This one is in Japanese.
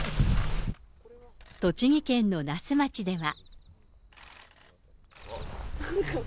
栃木県の那須町では。